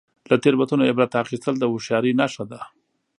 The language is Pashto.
• له تیروتنو عبرت اخیستل د هوښیارۍ نښه ده.